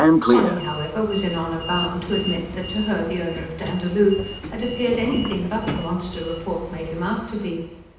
Polly, however, was in honour bound to admit that to her the owner of Dandaloo had appeared anything but the monster report made him out to be.